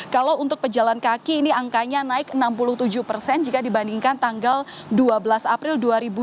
kalau untuk pejalan kaki ini angkanya naik enam puluh tujuh persen jika dibandingkan tanggal dua belas april dua ribu dua puluh